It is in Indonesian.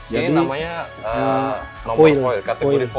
jadi namanya kategori foil